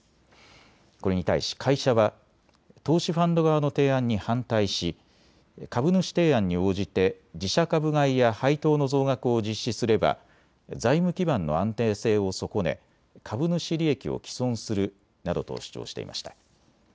これに対し会社は、投資ファンド側の提案に反対し株主提案に応じて自社株買いや配当の増額を実施すれば財務基盤の安定性を損ね株主利益を毀損するなどと主張していました。